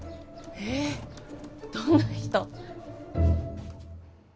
えっどんな人？